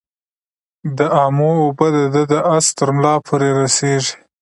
د امو اوبه د ده د آس ترملا پوري رسیږي.